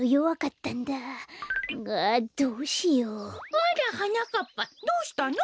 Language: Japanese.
あらはなかっぱどうしたの？